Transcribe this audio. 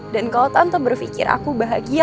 dan kalau tante berpikir aku bahagia